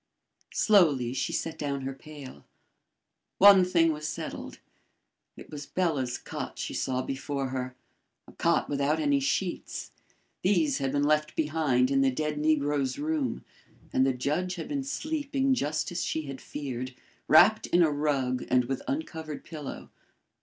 Slowly she set down her pail. One thing was settled. It was Bela's cot she saw before her a cot without any sheets. These had been left behind in the dead negro's room, and the judge had been sleeping just as she had feared, wrapped in a rug and with uncovered pillow.